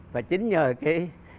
và chính nhờ cái